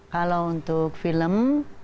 kalau untuk film